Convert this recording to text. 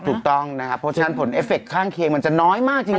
ถูกต้องนะครับผลิตถ้าน้อยเททแครงมันจะน้อยมากจริง